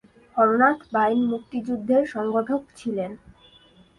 হরনাথ বাইন মুক্তিযুদ্ধের সংগঠক ছিলেন।